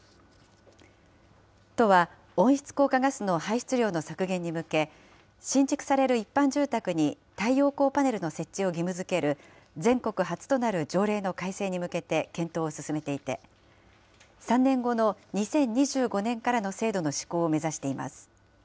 都は、温室効果ガスの排出量の削減に向け、新築される一般住宅に太陽光パネルの設置を義務づける、全国初となる条例の改正に向けて検討を進めていて、３年後の２０２５年からの制度の施行を目指しています。